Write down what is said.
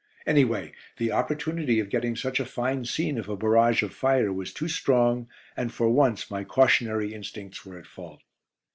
Anyway, the opportunity of getting such a fine scene of a barrage of fire was too strong, and for once my cautionary instincts were at fault.